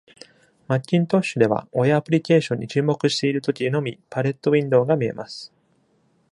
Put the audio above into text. マッキントッシュでは、親アプリケーションに注目している時のみパレット・ウィンドウが見えます。